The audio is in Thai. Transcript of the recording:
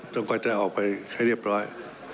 แล้วก็จะออกไปให้เรียบร้อย